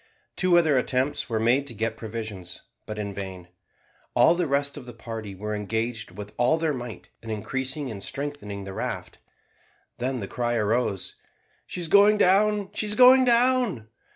Two other attempts were made to get provisions, but in vain. All the rest of the party were engaged with all their might in increasing and strengthening the raft. Then the cry arose, "She is going down, she is going down!"